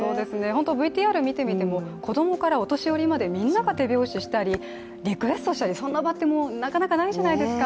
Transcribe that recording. ＶＴＲを見てみても、子供からお年寄りまでみんなが手拍子をしたりリクエストしたり、そんな場ってなかなかないじゃないですか。